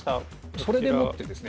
それでもってですね